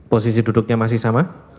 posisi duduknya masih sama